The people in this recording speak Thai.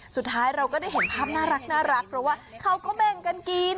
สุดท้ายเราก็ได้เห็นภาพน่ารักเพราะว่าเขาก็แบ่งกันกิน